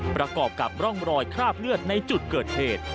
ประกอบกับร่องรอยคราบเลือดในจุดเกิดเหตุ